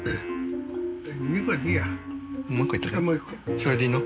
それでいいの？